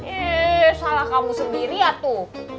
eh salah kamu sendiri ya tuh